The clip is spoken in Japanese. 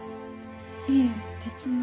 いえ別に。